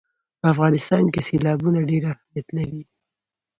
په افغانستان کې سیلابونه ډېر اهمیت لري.